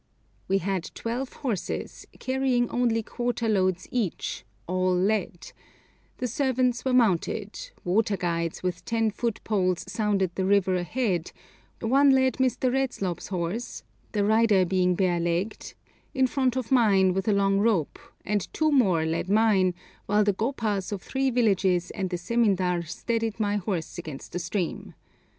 We had twelve horses, carrying only quarter loads each, all led; the servants were mounted, 'water guides' with ten foot poles sounded the river ahead, one led Mr. Redslob's horse (the rider being bare legged) in front of mine with a long rope, and two more led mine, while the gopas of three villages and the zemindar steadied my horse against the stream.